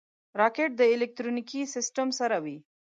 راکټ له الکترونیکي سیسټم سره وي